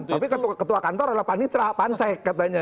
tapi ketua kantor adalah panitra pansek katanya